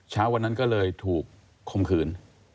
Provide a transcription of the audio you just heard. เช้าวันนั้นก็เลยถูกคมคืน